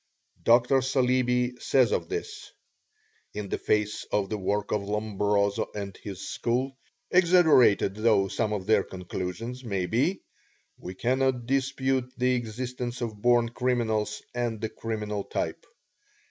Dr. Saleeby says of this: "In the face of the work of Lombroso and his school, exaggerated though some of their conclusions may be, we cannot dispute the existence of born criminals and the criminal type.